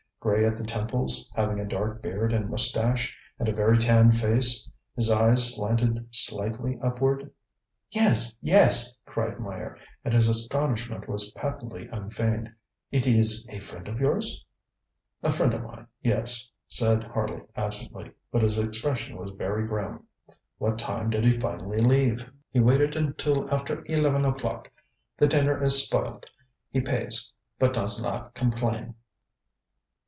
Gray at the temples, having a dark beard and moustache, and a very tanned face? His eyes slanted slightly upward? ŌĆØ ŌĆ£Yes! yes! ŌĆØ cried Meyer, and his astonishment was patently unfeigned. ŌĆ£It is a friend of yours? ŌĆØ ŌĆ£A friend of mine, yes, ŌĆØ said Harley absently, but his expression was very grim. ŌĆ£What time did he finally leave? ŌĆØ ŌĆ£He waited until after eleven o'clock. The dinner is spoilt. He pays, but does not complain.